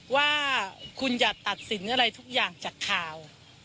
ว่าคุณอย่าตัดสินอะไรทุกอย่างจากข่าว